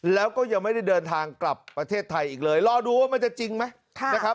แล้วก็ยังไม่ได้เดินทางกลับประเทศไทยอีกเลยรอดูว่ามันจะจริงไหมนะครับ